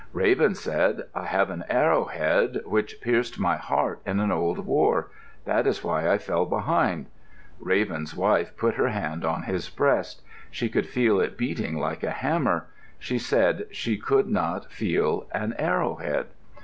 Raven said, "I have an arrowhead which pierced my heart in an old war. That is why I fell behind." Raven's wife put her hand on his breast. She could feel it beating like a hammer; she said she could not feel an arrowhead.